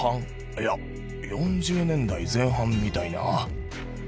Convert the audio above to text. いや４０年代前半みたいな。